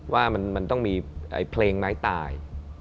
ว่ามันต้องมีเพลงไม้ตาย